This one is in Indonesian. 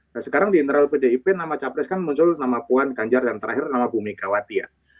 nah sekarang di internal pdip nama capres kan muncul nama puan ganjar dan terakhir nama bu megawati ya